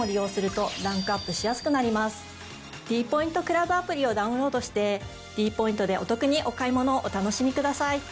クラブアプリをダウンロードしてｄポイントでお得にお買い物をお楽しみください。